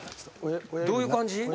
どういう感じ？